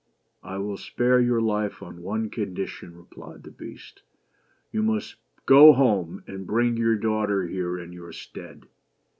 " I will spare your life on one condition," replied the Beast. "You must go home, and bring your daughter here in your stead.